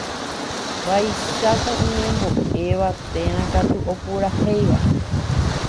vaicháku oñembo'éva térã katu opurahéiva.